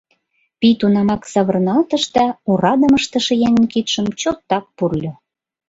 Пий тунамак савырналтыш да орадым ыштыше еҥын кидшым чотак пурльо.